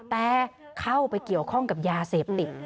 แต่เข้าไปเกี่ยวข้องกับยาเสพติด